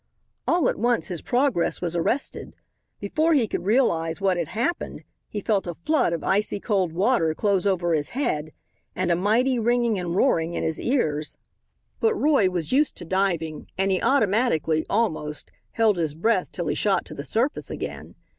All at once his progress was arrested. Before he could realize what had happened he felt a flood of icy cold water close over his head and a mighty ringing and roaring in his ears. But Roy was used to diving, and he automatically, almost, held his breath till he shot to the surface again.